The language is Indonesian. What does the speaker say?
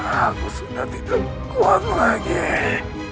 aku sudah tidak kuat lagi